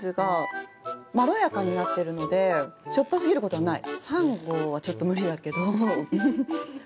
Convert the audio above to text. しょっぱ過ぎることはない。